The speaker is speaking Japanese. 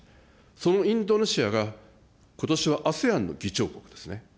そのインドネシアが、ことしはＡＳＥＡＮの議長国ですね。